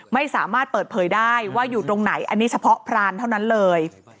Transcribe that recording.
ไม่สามารถเปิดเผยได้ว่าอยู่ตรงไหนอันนี้เฉพาะพรานเท่านั้นเลย